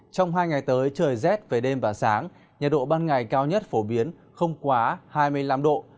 trong hai ngày tới trời rét về đêm và sáng nhiệt độ ban ngày cao nhất phổ biến không quá hai mươi năm độ